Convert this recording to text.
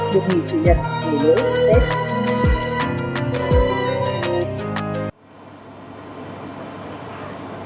luật nghỉ chủ nhật ngày lưỡi tết